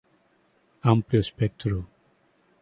Amplio espectro.